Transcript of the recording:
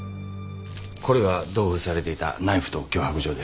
これが同封されていたナイフと脅迫状です。